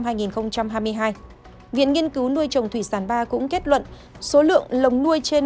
viện nghiên cứu nuôi trồng thủy sản ba cũng kết luận